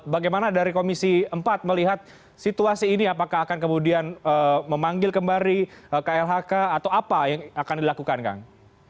bagaimana dari komisi empat melihat situasi ini apakah akan kemudian memanggil kembali klhk atau apa yang akan dilakukan kang